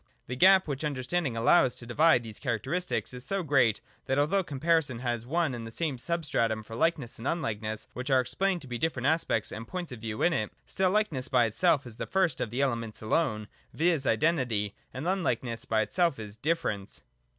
The gap which understanding allows to divide these characteristics, is so great, that although comparison has one and the same substratum for likeness and un likeness, which are explained to be different aspects and points of view in it, still likeness by itself is the first of the elements alone, viz. identity, and unlikeness by itself is difference.